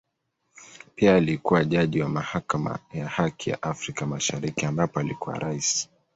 Pia alikua jaji wa Mahakama ya Haki ya Afrika Mashariki ambapo alikuwa Rais.